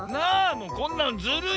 もうこんなのずるい。